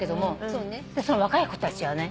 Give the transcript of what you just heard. そしたらその若い子たちはね